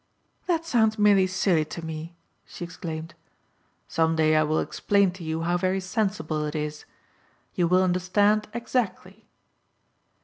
"That sounds merely silly to me," she exclaimed. "Someday I will explain to you how very sensible it is. You will understand exactly."